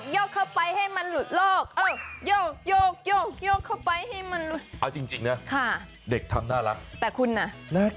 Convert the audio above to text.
โยกเข้าไปให้มันหลุดหลอก